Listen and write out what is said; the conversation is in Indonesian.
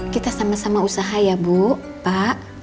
kita sama sama usaha ya bu pak